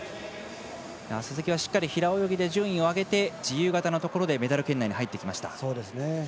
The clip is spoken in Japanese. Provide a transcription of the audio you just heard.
鈴木はしっかり平泳ぎで順位を上げて自由形のところでメダル圏内に入ってきました。